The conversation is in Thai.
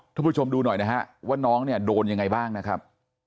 ผู้ชมดูหน่อยนะฮะว่าน้องเนี่ยโดนยังไงบ้างนะครับ